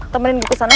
temenin gue kesana